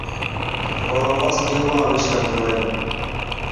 Columbus Cuba আবিষ্কার করেন।